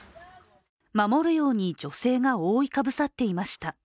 守るように女性が覆いかぶさっていました。